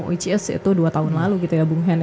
which is itu dua tahun lalu gitu ya bung hen